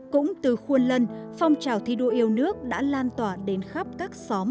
cũng từ khuôn lân phong trào thi đua yêu nước đã lan tỏa đến khắp các xóm